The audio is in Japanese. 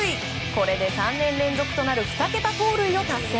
これで３年連続となる２桁盗塁を達成。